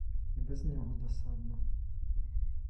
І без нього досадно.